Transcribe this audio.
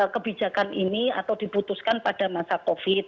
kebijakan ini atau diputuskan pada masa covid